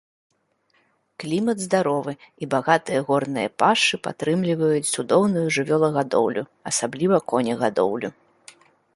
Клімат здаровы, і багатыя горныя пашы падтрымліваюць цудоўную жывёлагадоўлю, асабліва конегадоўлю.